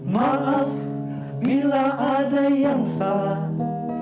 maaf bila ada yang salah